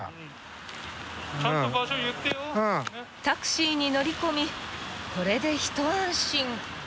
［タクシーに乗り込みこれで一安心］